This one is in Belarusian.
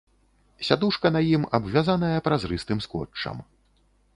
Сядушка на ім абвязаная празрыстым скотчам.